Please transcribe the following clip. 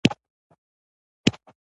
څوک چې صبر کوي، پایله یې خوږه وي.